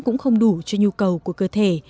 cũng không đủ cho nhu cầu của cơ thể